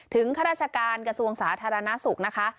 ข้าราชการกระทรวงสาธารณสุขนะคะ